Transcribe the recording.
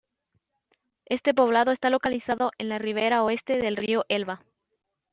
Este poblado está localizado en la ribera oeste del río Elba.